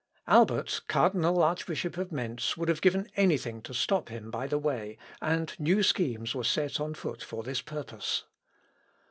Albert, cardinal archbishop of Mentz, would have given anything to stop him by the way, and new schemes were set on foot for this purpose.